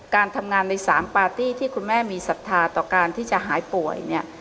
การทำงานใน๓ปาร์ตี้ที่คุณแม่มีศรัทธาต่อการที่จะหายป่วยเนี่ย